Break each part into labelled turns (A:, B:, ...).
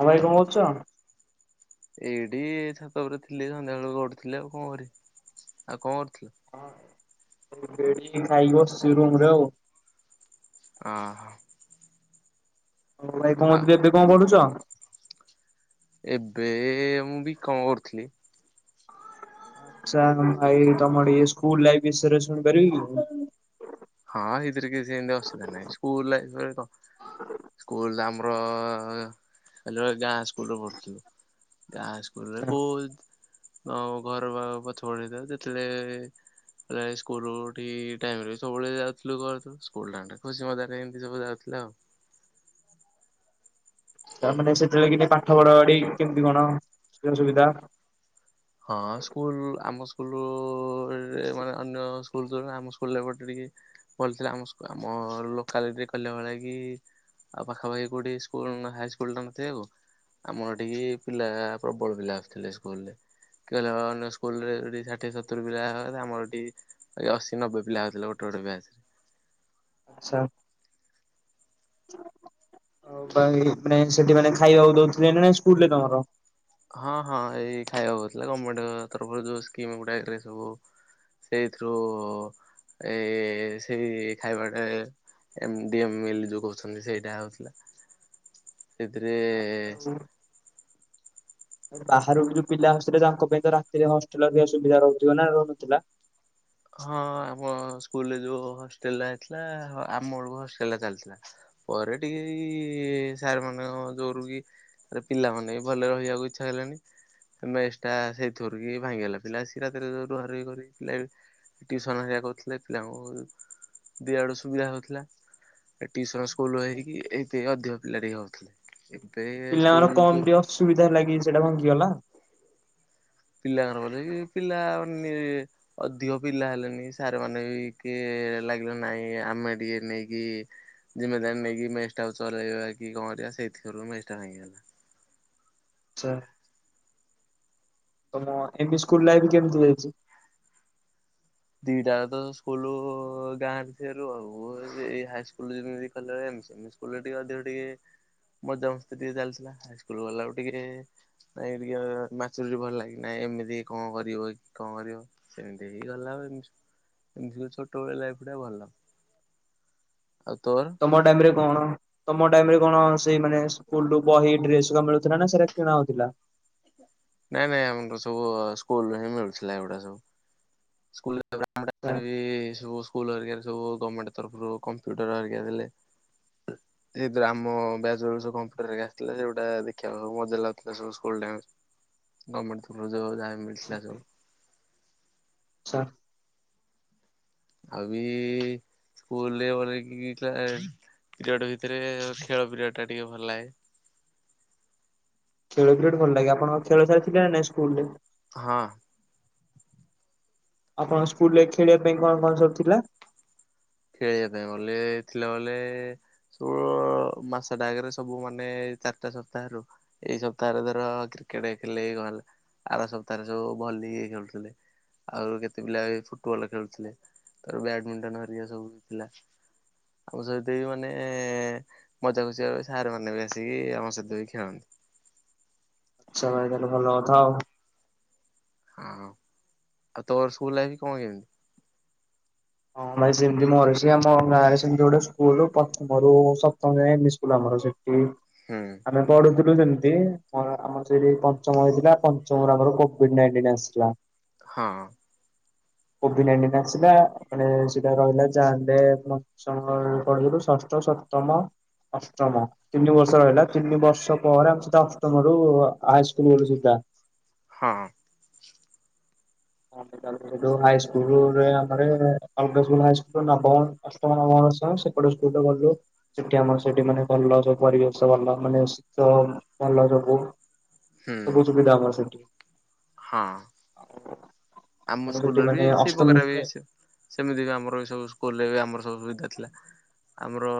A: ଆଉ ଭାଇ କଣ କରୁଚ?
B: ଏଇଠି ଛାତ ଉପରେ ଥିଲି ସନ୍ଧ୍ୟାବେଳୁ ଗଡୁଥିଲି ଆଉ କଣ କରିବି ଆଉ କଣ କରୁଥିଲ?
A: ହ ବେଡ଼ି ଖାଇ ବସିଚି ରୁମ୍ ରେ ଆଉ।
B: ଅ ହଁ।
A: ହଉ ଭାଇ କଣ
B: ଆଉ
A: ଏବେ ଏବେ କଣ ପଢ଼ୁଛ?
B: ଏବେ ମୁଁ ବିକମ୍ କରୁଥିଲି।
A: ଯାହା ହଉ ଭାଇ ତମର ଏ ସ୍କୁଲ୍ ଲାଇଫ୍ ବିଷୟରେ ଶୁଣି ପାରିବି କି?
B: ହଁ ଏଥିରେ କିଛି ଏମିତି ଅସୁବିଧା ନାହିଁ ସ୍କୁଲ ଲାଇଫ୍ ରେ କଣ ସ୍କୁଲ ଆମ ହଁ ଗାଁ ସ୍କୁଲରେ ପଢ଼ୁଥିଲୁ ଗାଁ ସ୍କୁ [unintelligible] ହଁ ଘର ବା ପଛ ପଟରେ ଯେତେବେଳେ ସ୍କୁଲ ଠିକ୍ ଟାଇମ ରେ। ସବୁବେଳେ ଯାଉଥିଲୁ ତୁ ସ୍କୁଲ ଟା ଖୁସି ମଜାରେ ଏମିତି ସବୁ ଯାଉଥିଲୁ ଆଉ।
A: ତାମାନେ ସେତେବେଳେ କିଁତି ପାଠ ପଢା ପଢି କେମିତି କଣ ସ୍କୁଲ ସୁବିଧା?
B: ହଁ ସ୍କୁଲ ଆମ ସ୍କୁଲ ଉରେ ମାନେ ଅନ୍ୟ ସ୍କୁଲ ଆମ ସ୍କୁଲ୍ ରେ ଟିକେ ଭଲ ଥିଲା ଆମ ଆମ ଲୋକାଲିଟିରେ କହିଲା ଭଳିଆ କି ଆଉ ପାଖାପାଖି କୋଉଠି ସ୍କୁଲ ହାଇ ସ୍କୁଲ ଟେ ନଥିବାକୁ। ଆମର ଏଠିକି ପିଲା ପ୍ରବଳ ପିଲା ଆସୁଥିଲେ ସ୍କୁଲ ରେ। କେ ଅନ୍ୟ ସ୍କୁଲ ରେ ସେଠୀ ଷାଠିଏ ସତୁରୀ ପିଲା ହୁଅ ଆମର ଏଠି ଏଇ ଅଶୀ ନବେ ପିଲା ହଉଥିଲେ ଗୋଟେ ଗୋଟେ ବ୍ୟାଚ୍ ରେ।
A: ଆଚ୍ଛା। ଆଉ ଭାଇ ମାନେ ସେଠି ମାନେ ଖାଇବାକୁ ଦଉଥିଲେ ନା ସ୍କୁଲ ରେ ତମର?
B: ହଁ ହଁ ଏଇ ଖାଇବାକୁ ଦଉଥିଲେ ଗମେଣ୍ଟ ତରଫରୁ ଯୋଉ ସ୍କିମ ଗୁଡା ସବୁ ସେଇଥିରୁ ଏ ସେଇ ଖାଇବାଟା ଏ ମି ଡେ ମିଲ୍ ଯୋଉ କହୁଛନ୍ତି ସେଇଟା ହଉଥିଲା। ସେଥିରେ
A: ବାହାରକୁ ଯୋଉ ପିଲା ଆସୁଥିଲେ ତାଙ୍କ ପାଇଁ ତ ରାତିରେ ହଷ୍ଟେଲ ସୁବିଧା ରହୁଥିବ ନା ରହୁନଥିଲା?
B: ହଁ ଆମ ସ୍କୁଲରେ ଯୋଉ ହଷ୍ଟେଲଟା ହେଇଥିଲା ଆମ ବେଳକୁ ହଷ୍ଟେଲ ଚାଲିଥିଲା। ପରେ ଟିକେ ଏଇ ସାର୍ ମାନଙ୍କ ଜୋଗୁରୁ କି ଏ ପିଲାମାନେ ବି ଭଲରେ ରହିବାକୁ ଇଚ୍ଛା ଦେଲେନି। ଆଉ ମେସଟା ସେଇଥି ରୁ କିି ଭାଙ୍ଗିଗଲା ପିଲା ଆସିକି ରାତିରେ ରୁହା ରହି କରି ପିଲା ବି ଟିଉସନ ହେରିକା କରୁଥିଲେ ପିଲାଙ୍କୁ ଦିଇ ଆଡୁ ସୁବିଧା ହଉଥିଲା। ଏଇ ଟିଇସନ ସ୍କୁଲ ର ହେଇକି ଏଇ ଅଧିକ ପିଲା ଟିକେ ହଉଥିଲେ। ଏବେ
A: ପିଲା ମାନଙ୍କୁ
B: ସ୍କୁଲ ଯୋଉ
A: କମନ୍ତୀ ଅସୁବିଧା ହେଲାକି ସେଟା ଭାଙ୍ଗିଗଲା?
B: ପିଲାମାନଙ୍କୁ ନେଇ ପିଲା ନିଏ ଅଧିକ ପିଲା ହେଲେନି ସାର୍ ମାନେ ବିି କିଏ ଲାଗିଲେ ନାଇଁ ଆମେ ଟିକେ ନେଇକି ଜିନ୍ମେଦାରି ନେଇ କିି ମେସଟା କୁ ଚଲେଇବା କି କଣ କରିବା ସେଇଥିରୁ ମେସଟା ଭାଙ୍ଗିଗଲା।
A: ଆଛା ତମ ଏମୀ ସ୍କୁଲ ଲାଇଫ୍ କେମିତି ହେଇଛି?
B: ଦିଟାହେଲେ ତ ସ୍କୁଲରୁ ଗାଁ ରେ ଥିବାରୁ ଆଉ ଏ ହାଇ ସ୍କୁଲ ଯେମିତି [unintelligible] ସ୍କୁଲ ରେ ଟିକେ ଅଧିକ ଟିକେ ମଜା ମସ୍ତି ଟିକେ ଚାଲିଥିଲା ହାଇସ୍କୁଲ ଗଲା ରୁ ଟିକେ। ନାଇଁ ଟିକେ ମାଛୁରୀ ବି ଭଲ ଲାଗେ ନାଇଁ ଏମିତି କଣ କରିବ କି କଣ କରିବ। ସେମିତି ହେଇଇଗଲା ଏମିତି ଛୋଟବେଳେ ଲାଇଫ ଟା ଭଲ। ଆଉ ତୋର?
A: ତମ ଟାଇମ୍ ରେ କଣ ତମ ଟାଇମ୍ ରେ କଣ ସେଇ ମାନେ ସ୍କୁଲୁ ରୁ ବହି ଡ୍ରେସ ହେରିଆ ମିଳୁଥିଲା ନା ସେରା କିଣାହଉଥିଲା?
B: ନାଇଁ ଭାଇ ଆମର ସବୁ ସ୍କୁଲରୁ ହିଁ ମିଳୁଥିଲା ଏଗୁଡା ସବୁ। ସ୍କୁଲ ରେ [unintelligible] ସବୁ ସ୍କୁଲ ହେରିକରେ ସବୁ ଗର୍ମେଣ୍ଟ ତରଫରୁ କମ୍ପ୍ୟୁଟର ହେରୀକା ଦେଲେ। ଏଇ ଆମ ବ୍ୟାଚ୍ ରେ କମ୍ପ୍ୟୁଟର ହେରିଆ ଆଥିଲା ସେଗୁଡା ଦେଖିବାକୁ ମଜା ଲାଗୁଥିଲା ସବୁ ସ୍କୁଲ ଟାଇମ ରେ। ଗର୍ମେଣ୍ଟ ତରଫରୁ ଯୋଉ ଯାହା ମିଳିଥିଲା ସବୁ।
A: ଆଛା।
B: ଆଉବି ସ୍କୁଲରେ [inaudible] ଯୋଡ ଭିତରେ ଖେଳ ପିରିୟଡ ଟା ଟିକେ ଭଲ ଲାଗେ।
A: ଖେଳ ପିରିଅଡ୍ ଭଲ ଲାଗେ ଆପଣଙ୍କ ଖେଳ ସାର ଥିଲା ନା ନାଇଁ ସ୍କୁଲ ରେ?
B: ହଁ।
A: ଆପଣଙ୍କ ସ୍କୁଲ ରେ ଖେଳିବା ପାଇଁ କଣ କଣ ସବୁ ଥିଲା?
B: ଖେଳିବା ପାଇଁ ବଲେ ଥିଲା ବଲେ। ଷୋହଳ ମାସଟା ଆଗରେ ସବୁ ମାନେ ଚାରିଟା ସପ୍ତାହ ରୁ ଏଇ ସପ୍ତାହରେ ଧର କ୍ରିକେଟ ଖେଳିଲେ କଣ ହେଲା ଆର ସପ୍ତାହରେ ସବୁ ଭଲି ଖେଳୁଥିଲେ। ଆଉ କେତେ ପିଲା ଫୁଟବଲ ଖେଳୁଥିଲେ ତର ବ୍ୟାଡମିଣ୍ଟନ ହରିଆ ସବୁ ଥିଲା। ଆମ ସହିତ ବି ମାନେ ମଜା ଖୁସିିଆ ସାର୍ ମାନେ ବି ଆସିକି ଆମ ସହିତ ବି ଖେଳନ୍ତି।
A: ଆଚ୍ଛା ଭାଇ ତାହେଲେ ଭଲ କଥା ଆଉ।
B: ହଁ ଆଉ ତୋମର ସ୍କୁଲ ଲାଇଫ୍ କଣ କେମିତି?
A: ହଁ ଭାଇ ସେମିତି ମୋର ବି ସେଇ ଆମ ଗାଁ ରେ ସେମିତି ଗୋଟେ ସ୍କୁଲ ପ୍ରଥମ ରୁ ସପ୍ତମ ଯାଏଁ ସ୍କୁଲ ଆମର ସେଠି।
B: ହୁଁ।
A: ଆମେ ପଢୁଥିଲୁ ସେମିତି ଆମର ସେଠି ପଞ୍ଚମ ହେଇଥିଲା ପଞ୍ଚମରୁ ଆମର କୋଭିଡ ନାଇଣ୍ଟିନ ଆସିଥିଲା।
B: ହଁ।
A: କୋଭିଡ ନାଇଁନ୍ ଟିନ୍ ଆସିଲା ସେଟା ରହିଲା ଯାହାଲେ ପଞ୍ଚମ ପଢୁଥିଲୁ ଷଷ୍ଠ ସପ୍ତମ ଅଷ୍ଟମ। ତିନି ବର୍ଷ ରହିଲା ତିନି ବର୍ଷ ପରେ ଆମେ ସିଧା ଅଷ୍ଟମ ରୁ ହାଇସ୍କୁଲ ଗଲୁ ସିଧା।
B: ହଁ।
A: ହଁ ସେ ହାଇସ୍କୁଲରେ ଆମରେ ଅଲଗା ସ୍କୁଲ ହାଇ ସ୍କୁ ନବମ ଅଷ୍ଟମ ନବମ ଦଶମ ସେପଟେ ସ୍କୁଲ ଟାକୁ ଗଲୁ। ସେଠି ଆମର ସେଠି ମାନେ ଭଲ ସବୁ ପରିବେଶ ଭଲ ମାନେ ସ ଭଲ ସବୁ।
B: ହୁଁ
A: ସବୁ ସୁବିଧା ଆମର ସେଠି।
B: ହଁ। ଆମ
A: ଆମର ସେଠି
B: ସ୍କୁଲରେ ବି
A: ମାନେ
B: ସେଇ ପକରା ବି
A: ଅଷ୍ଟମରେ
B: ଅଇଛ। ସେମିତି ବି ଆମର ବି ସବୁ ସ୍କୁଲରେ ବି ଆମର ସବୁ ସୁବିଧା ଥିଲା ଆମର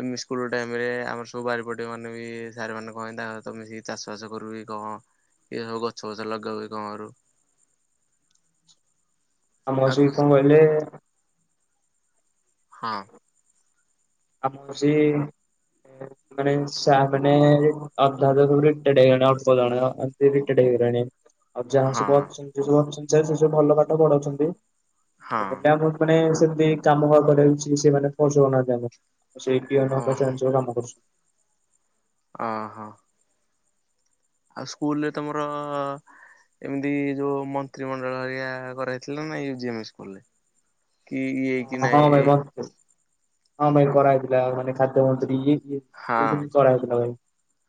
B: ଏମି ସ୍କୁଲ ଟାଇମ ରେ ଆମର ସବୁ ବାରିପଟ ମାନେ ବି ସାରମାନେ କହନ୍ତି ତାଙ୍କ ସହିତ ମିଶିକି ଚାଷ ବାସ କରୁ କି କଁ ଇଏ ସବୁ ଗଛ ଫଛ ଲଗାଉି କଁ କରୁ।
A: ଆମ
B: ଆଉ
A: [unintelligible]
B: ତମ
A: କଣ କହିଲେ?
B: ହଁ।
A: ଆମ ସି ଏ ମାନେ ଶା ମାନେ ଅଧା ସବୁ ରିଟାଡ୍ ହେଇ ଗଲେଣି ଅଳ୍ପ ଜଣ ଏନ୍ତି ରିଟାଡ୍ ହେଇ ଗଲେଣି। ଆଉ ଯାହା ସବୁ
B: ହଁ
A: ଅଛନ୍ତି ସବୁ ଅଛନ୍ତି ସେ ସବୁ ଭଲ ପାଠ ପଢଉଛନ୍ତି
B: ହଁ
A: ଏମ ଆମ ମାନେ ସେମତି କାମ କରିବାକୁ କିଛି ସେମାନେ ଫସ ହଉହାନ୍ତି ଆମକୁ ସେଇ ପିଅନ
B: ଓହୋ
A: [unintelligible] କାମ କରୁଛନ୍ତି।
B: ଓହୋ। ଆଉ ସ୍କୁଲ ରେ ତମର ଏମିତି ଯୋଉ ମନ୍ତ୍ରିମଣ୍ଡଳ ହେରୀଆ କରାହେଇଥିଲା ନା [unintelligible] ସ୍କୁଲ୍ ରେ। କି ଏଇ କି
A: ହଁ
B: ନାଇଁ
A: ଭାଇ
B: ଏ
A: ମତେ ହଁ ଭାଇ କରାହେଇଥିଲା ମାନେ ଖାଦ୍ୟ ମନ୍ତ୍ରୀ।
B: ହଁ
A: ତି କରାହେଇଥିଲା ଭାଇ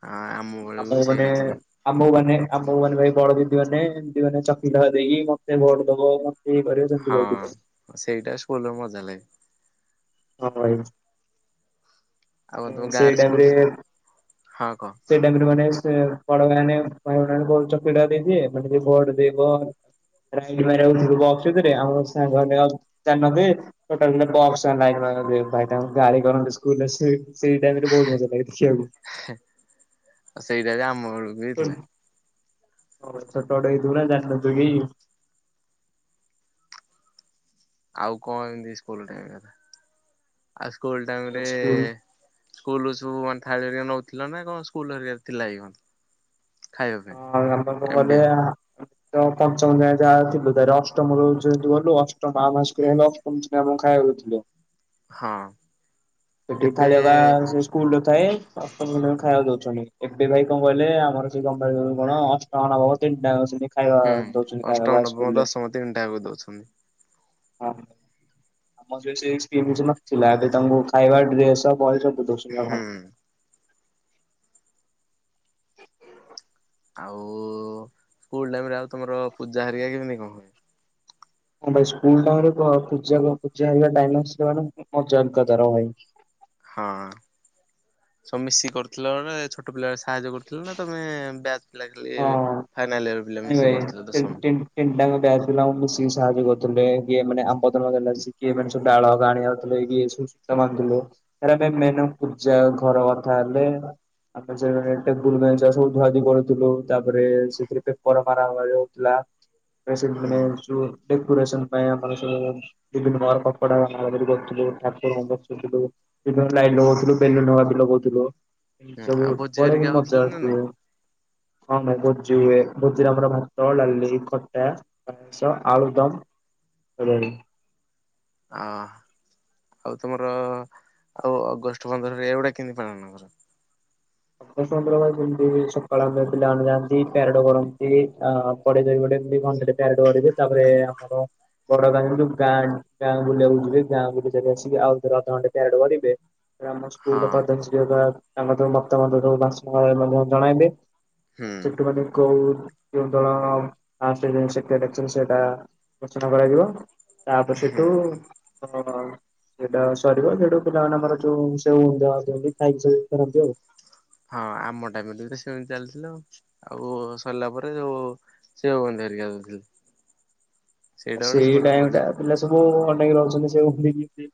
B: ହଁ ବେଳକୁ
A: ଆମ
B: ବି
A: ମାନେ
B: ସେଇଟା ଥିଲା
A: ଆମକୁ ମାନେ ଆମକୁ ମାନେ ଭାଇ ବଡ ଦିଦି ମାନେ ଏମିତି ମାନେ ଚକିଲେଟ୍ ହେରୀକା ଦେଇକି ମତେ ଭୋଟ ଦବ ମତେ ଇଏ କରିବ। ସେମିତି କହୁଥିଲେ।
B: ହଁ ସେଇଟା ସ୍କୁଲ ମଜା ଲାଗେ।
A: ହ ଭାଇ
B: ଆଉ କଣ ତମ
A: ସେ
B: ଗାଁରେ ସ୍କୁଲ
A: ଟାଇମରେ
B: ହଁ କହ
A: ସେଇଟାଇମ୍ ରେ ମାନେ ସେ ବଡ ଭାଇ ଭଉଣୀ ମାନେ ଚକ୍ଲେଟ ଦେଇଦେବେ ଭୋଟ୍ ଦେବ। [unintelligible] ଲାଇନ ମାରନ୍ତି ଭାଇତାଙ୍କୁ ଗାଲି କରନ୍ତି ସ୍କୁଲରେ ସେ ସେଇ ଟାଇମରେ ବହୁତ ମଜା ଲାଗେ
B: ସେଇଟା ବି ଆମ ବେଳକୁ ବି
A: ଦେଖିବାକୁ।
B: ଥିଲା।
A: ଛୋଟଟେ ହେଇଥିବୁ ନା ଜାଣନଥିଲି।
B: ଆଉ କଣ ଏମିତି ସ୍କୁଲ
A: ସ୍କୁଲ
B: ଟାଇମରେ? ସ୍କୁଲ ସବୁ ମାନେ ଥାଳି ହରିକା ନଉଥିଲ ନା କଣ ସ୍କୁଲ ହରିକାରେ ଥିଲା କି କଣ? ଖାଇବା ପାଇଁ
A: ହଁ [unintelligible]
B: ଏମ ଡି ଏମ
A: ତ ପଞ୍ଚମ ଯାଏ ଯାହା ଥିଲୁ ତାପରେ ଅଷ୍ଟମ ବେଳୁ ଯେହେତୁ ଗଲୁ ଅଷ୍ଟମଟା ଆମ ସ୍କୁଲରେ ଅଷ୍ଟମ ଶେ ନା ଆମକୁ ଖାଇବାକୁ ଦୋଉଥୁଲେ।
B: ହଁ।
A: ସେଠି
B: ଏବେ
A: ଥାଳି ହେକା ସେଇ ସ୍କୁ ସ୍କୁଲରେ ଥାଏ [unintelligible] ଖାଇବାକୁ ଦୋଉଛନ୍ତି ଏବେ ଭାଇ କଣ କହିଲେ ଆମର ସେଇ କମ୍ପାନୀରୁ କଣ କଣ [unintelligible] ତିନିଟା ଆକ ସେମତି ଖାଇବା
B: ହୁଁ
A: ଦୋଉଛନ୍ତି
B: ଅଷ୍ଟମ
A: ଖାଇବାକୁ ହାଇ
B: ନବମ
A: ସ୍କୁଲରେ।
B: ଦଶମ ତିନିଟାକୁ ଦଉଛନ୍ତି
A: ହଁ ଆମ [unintelligible] ନଥିଲା ଏବେ ତାଙ୍କୁ ଖାଇବା, ଡ୍ରେସେ ଆଉ ବହି ସବୁ ଦୋଉଛନ୍ତି ନା କଣ।
B: ହୁଁ ଆଉ ସ୍କୁଲ ଟାଇମରେ ଆଉ ତମର ପୂଜା ହେରିକା କେମିତି କଣ ହୁଏ?
A: ହଁ ଭାଇ ସ୍କୁଲ ଟାଇମରେ ତ ପୂଜାକୁ ପୂଜା ହେରିକା ଟାଇମ ଆସିଲା ମାନେ ମଜା ଅଲଗା ତାର ଭାଇ।
B: ହଁ। ସବୁ ମିଶିକି କରୁଥିଲ ଏବେ ଛୋଟ ପିଲା ସାହାଯ୍ୟ କରୁଥିଲେ ନା ତମେ ବ୍ୟାଚ୍ ଥିଲା ଖାଲି ଏବେ
A: ହଁ।
B: ଫାଇନାଲ୍ ଇଅର୍ ପିଲା ମି
A: ନାଇଁ ଭାଇ ତିନ୍ ତିନ୍ ତିନଟା ଆଁକ ବ୍ୟାଚ ପିଲା ଆମୁକୁ ମିଶିକି ସାହାଯ୍ୟ କରୁଥିଲେ କିଏ ମାନେ ଆମ୍ବପତ୍ର ଦେଲା ସି କିଏ ମାନେ ସବୁ ଡାଳ ଆଣିବା ଧରିକି ଯାଇ ସବୁ ସୁତା ବାନ୍ଧିଲେ ପରେ ଆମେ ଯାଇ ମେନ ଆମ ପୂଜା ଘର ଧୁଆଇଲେ। [unintelligible] ସେ ଟେବୁଲ ବେଞ୍ଚରା ସବୁ ଧୁଆଧୁଇ କରୁଥୁଲୁ ତାପରେ ସେଥିରେ କେ ପରେ ଖରାପ ଖାଲି ହୋଉଥିଲା ତ
B: ହୁଁ
A: ସେମାନେ [unintelligible] ଡେକୋରେସନ ପାଇଁ ଆମର ସବୁ ବିଭିନ୍ନ ପ୍ରକାର କପଡା ବନ୍ଧା ବନ୍ଧି କରୁଥିଲୁ। ଠାକୁରଙ୍କୁ ବସୋଉଥୁଲୁ [unintelligible] ଲାଇନ୍ ନୋଉଗଥୁଲୁ ବେଲୁନ ବି ଲଗୋଉଥିଲୁ। ଏହି
B: ହୁଁ
A: ସବୁ
B: ଆଉ ଭୋଜି
A: ପଳେଇଲେ
B: ହେରିକା
A: ମଜା
B: ହଉଥିଲା ନା ନାଇଁ?
A: ଆସଥୁବ ହଁ ଭାଇ ଭୋଜି ହୁଏ। ଭୋଜିରେ ଆମର ଭାତ, ଡାଲି, ଖଟା, ପାଏସ, ଆଳୁଦମ [unintelligible]
B: ଅଁହ। ଆଉ ତମର ଆଉ ଅଗଷ୍ଟ ପନ୍ଦର ହରିକା ଏଇଗୁଡା କେମିତି ପାଳନ କର?
A: ଅଗଷ୍ଟ ପନ୍ଦର ଭାଇ [unintelligible] ସକାଳେ ଆମେ ପିଲାମାନେ ଯାଆନ୍ତି ପ୍ୟାରଡ କରନ୍ତି ଆ ଏପଟେ ଯାଇ ଗୋଟେ [unintelligible] ହେଠି ପ୍ୟାରେଡ କରିବେ ତାପରେ ଆମର ବଡ ଗାଁ ଗାଁ ଗାଁ ବୁଲିବାକୁ ଯିବେ ଗାଁ ବୁଲି ଯାଇ ଆସିକି ଆଉ ଅଧ ଘଣ୍ଟେ ପ୍ୟାରେଡ କରିବେ। ଆମ ସ୍କୁଲ
B: ହଁ
A: ପ୍ରଧାନ ଶିକ୍ଷକ ଆ ଆମ [unintelligible] ଜଣାଇଲେ।
B: ହୁଁ
A: [unintelligible] ମଧ୍ୟ କୋହୁ ଯୋଉ ଦୋଳଣ ଆର୍ଷ୍ଟ ଯେଉଁ ସେକ୍ରେଟେରି ଥିବେ ସିଏ ପ୍ୟରେଡ [unintelligible] କରାଯିବ। ତାପରେ
B: ହୁଁ
A: ସେଠୁ ଅ ସେଇଟା ସରିବ ସେଇଠୁ ପିଲାମାନଙ୍କର ଯୋଉ ସେଉ ବୁନ୍ଦିଆ ଦଅନ୍ତି ଖାଇକି ସେ ଫରନ୍ତି ଆଉ।
B: ହଁ ଆମ ଟାଇମରେ ତ ସେମିତି ଚାଲିଥିଲା ଆଉ ସରିଲା ପରେ ଯୋଉ ସେଉ ବୁନ୍ଦୀ ହରିକି ଦୋଉଥୁଲେ।
A: ଆ ସେଇ
B: ମଜା
A: ଟାଇମଟା ପିଲା ସବୁ ଅନେଇକି ରହୁଚନ୍ତି ସେଉ ବୁନ୍ଦିକି।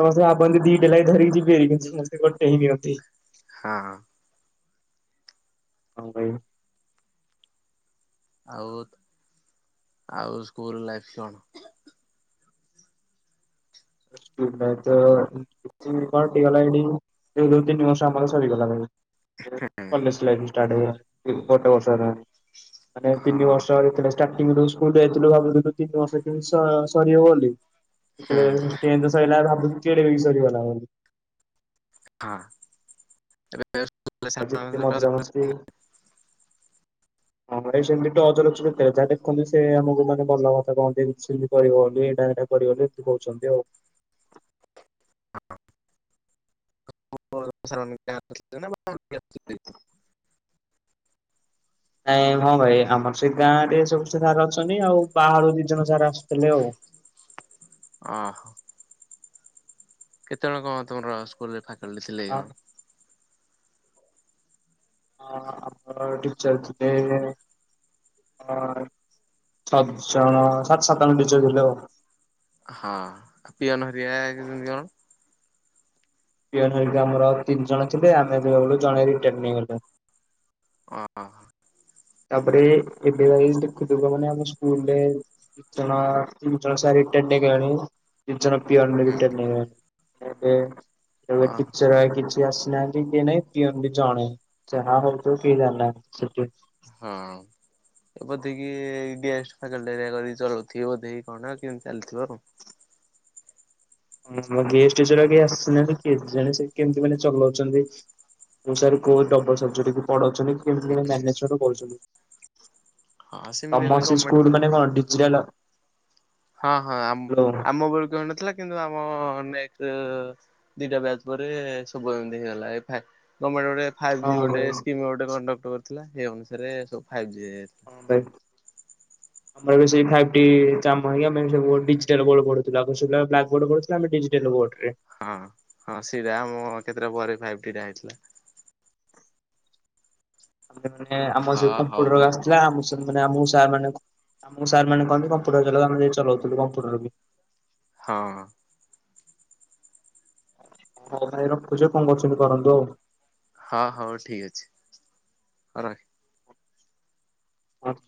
A: ସମସ୍ତେ ଭାବନ୍ତି ଦିଟା ଲାଗି ଧରିକି ଯିବେ ବୋଲି କିନ୍ତୁ ସମସ୍ତେ ଗୋଟେ ହିଁ ନିଅନ୍ତି।
B: ହଁ।
A: ହଁ ଭାଇ।
B: ଆଉ ଆଉ ସ୍କୁଲ ଲାଇଫି କଣ?
A: ସ୍କୁଲ ଲାଇଫ୍ ତ ପାର୍ଟିକାଲ ଏଇଠି [unintelligible] ଦୁଇ ତିନି ମାସ ଆମର ସରିଗଲା ଭାଇ। ଏ କଲେଜ ଲାଇଫ ଷ୍ଟାଟ ହେଇଗଲାଣି ଗୋଟେ ବର୍ଷ ହେଲାନି। ମାନେ
B: ହଁ
A: ତିନି ବର୍ଷ ଆହୁରି ଥିଲା ଷ୍ଟାର୍ଟିଙ୍ଗରୁ ସ୍କୁଲ ଯାଇଥିଲୁ ଭାବୁଥୁଲୁୁ ତିନି ବର୍ଷ କେମିତି ସ-ସରିବ ବୋଲି
B: ହୁଁ
A: [unintelligible] କିନ୍ତି ସଇଲା ବେଳକୁ ଭାବୁଛି କେଡ଼େ ବେଗି ସରିଗଲା ବୋଲି।
B: ହଁ ଏବେ
A: ଆଜିି ଏତେ ମଜ୍ଜା ମସ୍ତି [unintelligible] ମ ସେମିତି ଟଚରେ ଅଛୁ। ଯେତେବେଳେ ଯାହା ଦେଖନ୍ତି ସେ ଆମକୁ ମାନେ ଭଲ କଥା କହନ୍ତି ଏମି ସେମିତି କରିବ ବୋଲି ଏଇଟା ପଡ଼ିବ ବୋଲି ଏମିତି କହୁଛନ୍ତି ଆଉ
B: [unintelligible]
A: ଆ, ହଁ ଭାଇ ଆମର ସେଇ ଗାଁ ରେ ସବୁ ସାର ଅଛନ୍ତିି ଆଉ ପାହାଳରୁ ଦି ଜଣ ସାର ଆସୁଥିଲେ ଆଉ
B: ଅହ କେତେ ଜଣ କଣ ତମର ସ୍କୁଲରେ ଫାକଲଟି ଥିଲେ
A: ହଁ
B: କଣ?
A: ଅ ଆମ ଟିଚର ଥିଲେ [unintelligible] ଛ ଜଣ ସାତ ସାତ ଆଣ ଟିଚର ଥିଲେ ଆଉ
B: ହଁ ଆଉ ପିଅନ ହେରିଆ କେନ୍ତି କଣ?
A: ପିଅନ ହେରିକା ଆମର ଆଉ ତିନି ଜଣ ଥିଲେ ଆମେ ଗଲା ବେଳେ ଜଣେ ରିଟାର ନେଇଗଲେ।
B: ଅ ହଁ
A: ତାପରେ ଏବେ ଏନ୍ତି ଦେଖୁ ଦେଖୁୁ ମାନେ ଆମ ସ୍କୁଲରେ ଦି ଜଣ ତିନି ଜଣ ସାର ରିଟାର୍ଡ ନେଇଗଲାଣି ତିନି ଜଣ ପିଅନ ରିଟାର୍ଡ ନେଇଗଲାଣି। ଏବେ
B: ଅହ
A: ଟିଚର କିଛି ଆସିନାହାନ୍ତି କିଏ ନାହିଁ ପିଅନ ବି ଜଣେ [unintelligible] କେହି ଜାଣି ନାହିଁନ୍ତି ସେଠି [unintelligible]
B: ବୋଧକି ଗେଷ୍ଟ ଫାକ୍ଲଟି ଏକା କରିକି ଚଳଉଥିବ ବୋଧେ କି କଣ କେମତି ଚାଲିଥିବ ଆଉ
A: ହଁ ଆମ ଗେଷ୍ଟ ସାର ଆସିନାହାଁନ୍ତି କେଜାଣି ସେ କେମିତି ମାନେ ଚଲଉଛନ୍ତି ମୁଁ ସାର୍ କୋ ଡବଲ ସବଜେକ୍ଟ ପଢଉଛନ୍ତି କେମିତି କଣ ମ୍ୟାନେଜ କରୁଛନ୍ତି।
B: ହଁ
A: [inaudible]
B: ସେମିତି ହେଲେ
A: ତମର୍ ସେ
B: ଗମେଣ୍ଟ
A: ସ୍କୁଲ ମାନେ
B: ତରଫରୁ
A: କଣ ଡିଜିଟାଲ?
B: ହଁ ହଁ
A: ହ୍ୟାଲୋ
B: ଆମ, ବଳକୁ ନଥିଲା କିନ୍ତୁ ଆମ ନେଷ୍ଟ ଦିଟା ବ୍ୟାଚ ପରେ ସବୁ ଏମିତି ହେଇଗଲା ଏ ଫ୍ୟାଟ୍ ଫାଇଭ୍ ଜି
A: ହଁ
B: ଗୋଟେ
A: ଭାଇ ହଁ
B: ସ୍କିମ୍ ଗୋଟେ କଣ୍ଡକ୍ଟ କରିଥିଲା ସେଇ ଅନୁସାରେ ସବୁ ଫାଇଭ ଜି ହେଇଯାଇଥିଲା।
A: [unintelligible] ଆମର ବି ଫାଇଭ୍ ଡ଼ି କାମ ହିଁ ଆମେ ଡିଜିଟାଲ ବୋର୍ଡରେ ପଢୁଥିଲୁ ଆଗରୁ ସେ ପିଲା ବ୍ଲାକ୍ ବୋର୍ଡରେ କରୁଥିଲୁ ଆମେ ଡିଜିଟାଲ ବୋଡିରେ
B: ହଁ ହଁ ସେଟା ଆମ କେତେଟା ପରେ ଫାଇଭ୍ ଡିଟା ହେଇଥିଲା
A: ଆମେମାନେ ଆମ ଯୋଉ
B: ହଁ
A: କମ୍ପୁଟର
B: ହଉ ଆଉ
A: କାମ ନା ଆମ ସାର୍ ମାନେ ଆମକୁ ସାର୍ ମାନେ ଆମକୁ ସାର୍‌ମାନେ କହନ୍ତି କମ୍ପ୍ୟୁଟର ଚଲେଇବାକୁ ଆମେ ଚଉଥିଲୁ କମ୍ପୁଟର ବି
B: ହଁ।
A: ହଉ ଭାଇ ରଖୁଛି କଣ କରୁଛନ୍ତି କରନ୍ତୁ ଆଉ?
B: ହଁ ହଉ ଠିକ୍ ଅଛି ହଁ ର
A: ହଁ